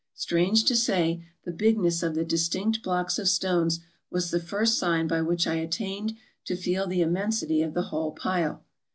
Strange to say, the bigness of the distinct blocks of stones was the first sign by which I attained to feel the immensity of the whole pile.